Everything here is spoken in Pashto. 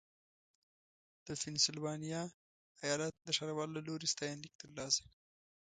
د پنسلوانیا ایالت د ښاروال له لوري ستاینلیک ترلاسه کړ.